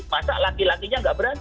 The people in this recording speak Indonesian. masa laki lakinya nggak berani